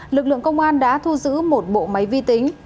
lực lượng công an đã thu giữ một bộ máy vi tính